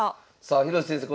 さあ広瀬先生